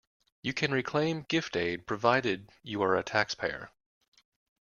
You can reclaim gift aid provided you are a taxpayer.